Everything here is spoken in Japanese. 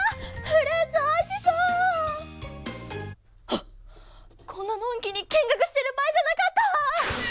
はっこんなのんきに見学してる場合じゃなかった！